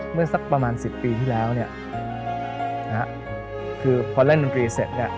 เมื่อสักประมาณ๑๐ปีที่แล้วพอเล่นดนตรีเสร็จ